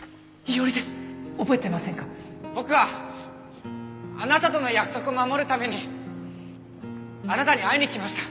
僕はあなたとの約束守るためにあなたに会いにきました